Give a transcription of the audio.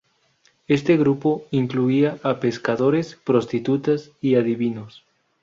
Este grupo incluía a pescadores, prostitutas y adivinos.